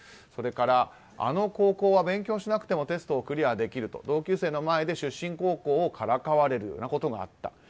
それからあの高校は勉強しなくてもテストをクリアできると同級生の前で出身高校をからかわれるというようなこともあった。